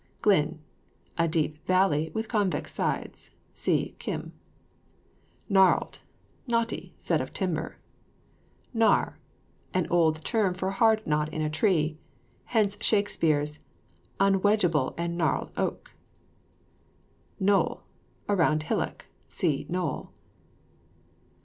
GLYN. A deep valley with convex sides. (See CWM.) GNARLED. Knotty; said of timber. GNARRE. An old term for a hard knot in a tree; hence Shakspeare's "unwedgeable and gnarled oak." GNOLL. A round hillock. (See KNOLL.)